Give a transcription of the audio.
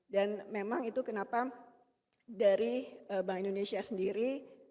dan memang itu kenapa dari bank indonesia sendiri